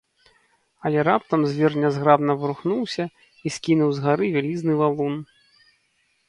Але раптам звер нязграбна варухнуўся і скінуў з гары вялізны валун.